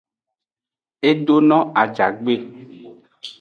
E do no ajagbe.